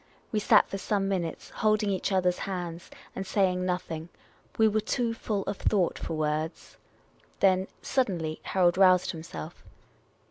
We sat for some minutes, holding each other's hands, and saying nothing ; we were too full of thought for words. Then, suddenly, Harold roused himself.